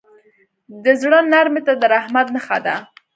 د زړه نرمي د رحمت نښه ده.